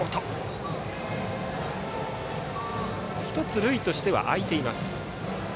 １つ、塁としては空いています。